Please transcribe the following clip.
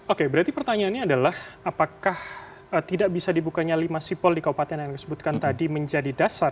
oke berarti pertanyaannya adalah apakah tidak bisa dibukanya lima sipol di kabupaten yang disebutkan tadi menjadi dasar